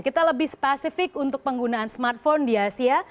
kita lebih spesifik untuk penggunaan smartphone di asia